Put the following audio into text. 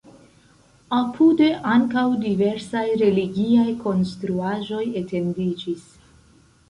Apude ankaŭ diversaj religiaj konstruaĵoj etendiĝis.